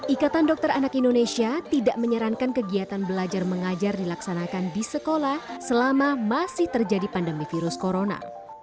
ikatan dokter anak indonesia tidak menyarankan kegiatan belajar mengajar dilaksanakan di sekolah selama masih terjadi pandemi virus corona